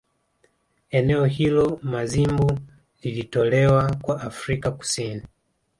Eneo hilo Mazimbu lilitolewa kwa Afrika Kusini